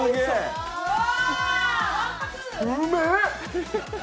うめえ！